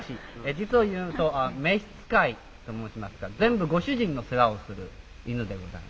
実をいうと召し使いと申しますか全部ご主人の世話をする犬でございまして。